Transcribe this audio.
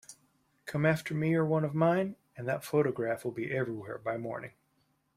Come after me or one of mine, and that photograph will be everywhere by morning.